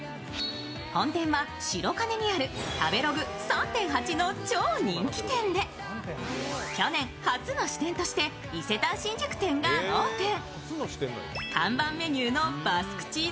本店は白金になる食べログ３．８の超人気店で去年、初の支店として伊勢丹新宿店がオープン。